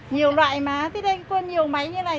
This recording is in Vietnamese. nhiều loại mà thích anh cô nhiều máy như này